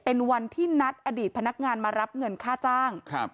เป็นวันที่นัดอดีตพนักงานมารับเงินค่าจ้าง